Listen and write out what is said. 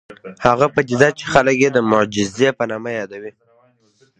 هغه پدیده چې خلک یې د معجزې په نامه یادوي